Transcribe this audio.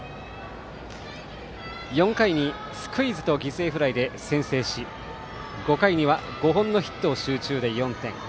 ４回にスクイズと犠牲フライで先制し５回には５本のヒットを集中で４点。